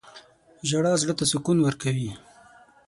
• ژړا زړه ته سکون ورکوي.